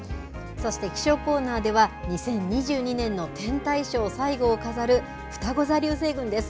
そして気象コーナーでは、２０２２年の天体ショー最後を飾る、ふたご座流星群です。